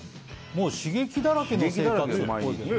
もう刺激だらけでしょ